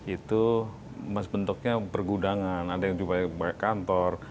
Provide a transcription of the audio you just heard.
itu bentuknya bergudangan ada yang buat kantor